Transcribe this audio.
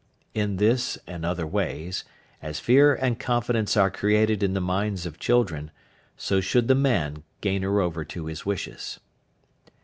In this and other ways, as fear and confidence are created in the minds of children, so should the man gain her over to his wishes.